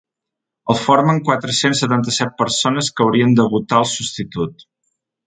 El formen quatre-cents setanta-set persones que haurien de votar el substitut.